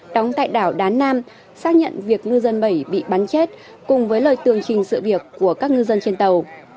đóng tại đảo đá nam xác nhận việc ngư dân bảy bị bắn chết cùng với lời tường trình sự việc của các ngư dân trên tàu